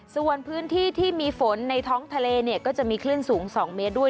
ส่วนพื้นที่ที่มีฝนในท้องทะเลเนี่ยก็จะมีคลื่นสูง๒เมตรด้วย